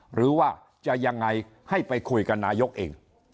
หรือว่าจะยังไงให้ไปคุยกับนายกเอง